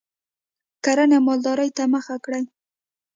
کرنې او مالدارۍ ته مخه کړي